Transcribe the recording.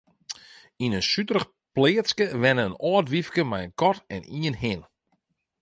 Yn in suterich pleatske wenne in âld wyfke mei in kat en ien hin.